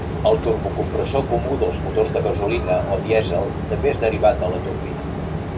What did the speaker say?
El turbocompressor comú dels motors de gasolina o dièsel també és derivat de la turbina.